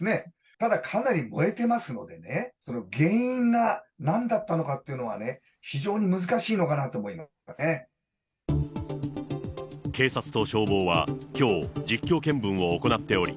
ただかなり燃えてますのでね、原因がなんだったのかっていうのはね、非常に難しいのかなと思い警察と消防はきょう、実況見分を行っており、